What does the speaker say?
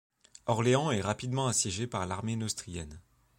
Orléans est rapidement assiégée par l'armée neustrienne.